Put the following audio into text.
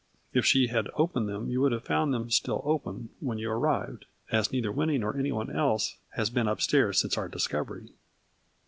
If she had opened them you would have found them still open when you arrived, as neither Winnie nor anyone else has been upstairs since our dis covery."